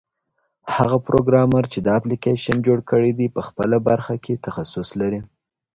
هغه پروګرامر چې دا اپلیکیشن جوړ کړی په خپله برخه کې تخصص لري.